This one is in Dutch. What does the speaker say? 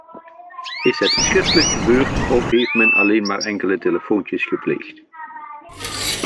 Is het schriftelijk gebeurd of heeft men alleen maar enkele telefoontjes gepleegd?